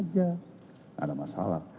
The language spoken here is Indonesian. tidak ada masalah